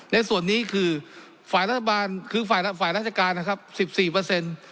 ในส่วนนี้คือฝ่ายรัฐบาลคือฝ่ายฝ่ายราชการนะครับสิบสี่เปอร์เซ็นต์